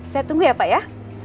saya tunggu ya pak ya